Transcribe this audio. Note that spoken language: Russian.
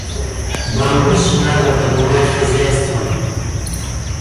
Нам выше надо поднимать хозяйство.